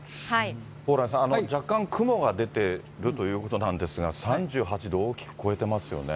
蓬莱さん、若干、雲が出てるということなんですが、３８度を大きく超えていますよね。